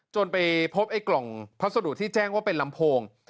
ไปพบไอ้กล่องพัสดุที่แจ้งว่าเป็นลำโพง